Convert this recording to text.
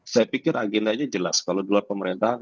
saya pikir agendanya jelas kalau di luar pemerintahan